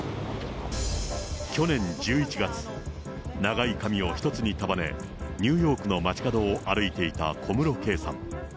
去年１１月、長い髪を一つに束ね、ニューヨークの街角を歩いていた小室圭さん。